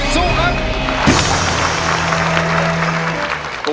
สู้ครับ